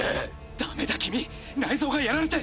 ダメだ君内臓がやられて。